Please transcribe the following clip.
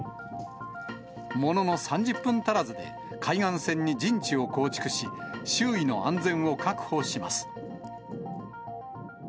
ものの３０分足らずで、海岸線に陣地を構築し、周囲の安全を確保します。